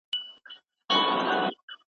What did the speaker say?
څېړونکی باید په خپله موضوع پوره پوه وي.